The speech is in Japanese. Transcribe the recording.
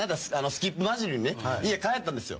「スキップ交じりにね家帰ったんですよ」